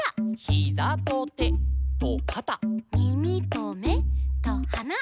「ヒザとてとかた」「みみとめとはな」